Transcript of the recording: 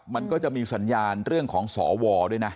มันก็จะมีสัญญาณเรื่องของสวด้วยนะ